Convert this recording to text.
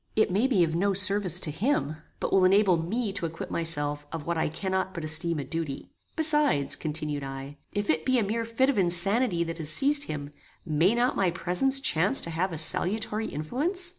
It may be of no service to him, but will enable me to acquit myself of what I cannot but esteem a duty. Besides," continued I, "if it be a mere fit of insanity that has seized him, may not my presence chance to have a salutary influence?